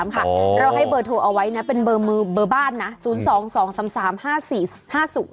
เราให้เบอร์โทรเอาไว้นะเป็นเบอร์มือเบอร์บ้านนะ๐๒๒๓๓๕๔๕๐